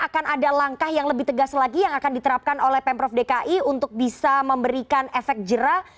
akan ada langkah yang lebih tegas lagi yang akan diterapkan oleh pemprov dki untuk bisa memberikan efek jerah